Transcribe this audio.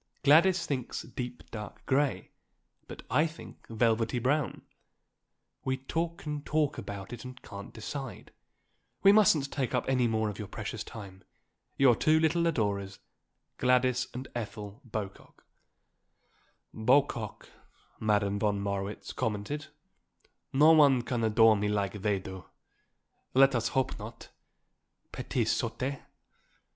Gladys thinks deep, dark grey, but I think velvety brown; we talk and talk about it and can't decide. We mustn't take up any more of your precious time. Your two little adorers, Gladys and Ethel Bocock." "Bocock," Madame von Marwitz commented. "No one can adore me like they do. Let us hope not. _Petites sottes.